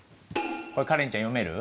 これカレンちゃん読める？